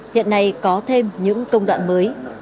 hiện nay có thêm những công đoạn mới